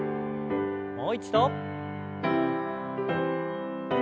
もう一度。